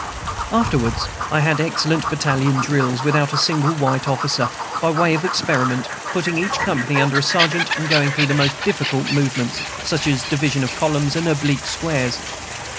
Afterwards I had excellent battalion drills without a single white officer, by way of experiment; putting each company under a sergeant, and going through the most difficult movements, such as division columns and oblique squares.